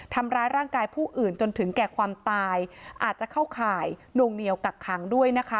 ทำร้ายร่างกายผู้อื่นจนถึงแก่ความตายอาจจะเข้าข่ายนวงเหนียวกักขังด้วยนะคะ